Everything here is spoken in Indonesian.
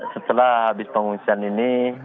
setelah habis pengungsian ini